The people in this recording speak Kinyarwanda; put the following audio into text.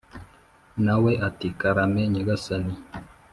Na we ati “Karame, Nyagasani.”